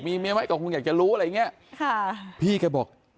มีเมียไหมก็คงอยากจะรู้อะไรอย่างเงี้ยค่ะพี่แกบอก